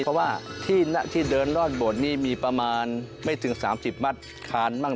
เพราะว่าที่เดินรอดบทนี้มีประมาณไม่ถึง๓๐มัดคานบ้าง